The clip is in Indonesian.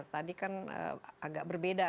tadi kan agak berbeda